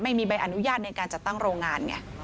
ไม่มีใบอนุญาตในการจัดตั้งโรงงานไง